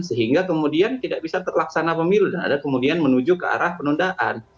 sehingga kemudian tidak bisa terlaksana pemilu dan ada kemudian menuju ke arah penundaan